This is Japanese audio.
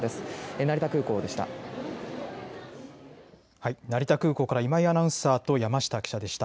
成田空港でした。